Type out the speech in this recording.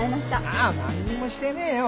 ああなんにもしてねえよ